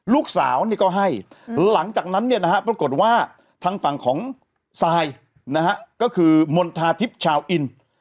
ลูกสาวนี่ก็ให้หลังจากนั้นเนี่ยนะฮะปรากฏว่าทางฝั่งของซายนะฮะก็คือมณฑาทิพย์ชาวอิน